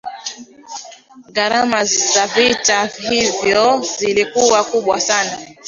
gharama za vita hivyo zilikuwa kubwa sana